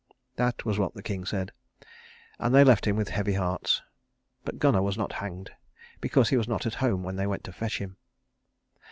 That was what the king said, and they left him with heavy hearts. But Gunnar was not hanged because he was not at home when they went to fetch him.